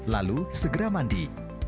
lalu segera mandi